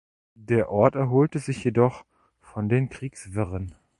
Der Ort erholte sich jedoch von den Kriegswirren.